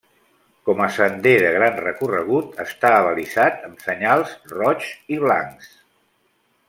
Com a sender de gran recorregut està abalisat amb senyals roigs i blancs.